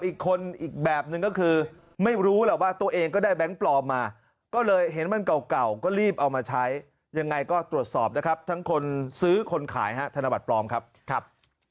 อีกคนอีกแบบหนึ่งก็คือไม่รู้แหละว่าตัวเองก็ได้แบงค์ปลอมมาก็เลยเห็นมันเก่าก็รีบเอามาใช้ยังไงก็ตรวจสอบนะครับทั้งคนซื้อคนขายฮะธนบัตรปลอมครับ